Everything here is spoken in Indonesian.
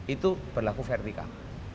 itu berlaku vertikal